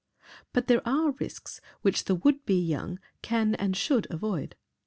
But there are risks which the would be young can and should avoid.